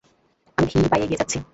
আমি ধীর পায়ে এগিয়ে যাচ্ছি।